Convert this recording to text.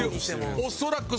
恐らく。